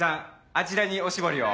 あちらにお絞りを。